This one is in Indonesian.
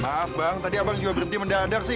maaf bang tadi abang juga berhenti mendadak sih